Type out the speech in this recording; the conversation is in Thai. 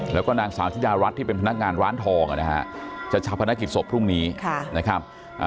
แล้วก็นางสาวธิดารัฐที่เป็นพนักงานร้านทองนะฮะจะชาวพนักกิจศพพรุ่งนี้นะครับ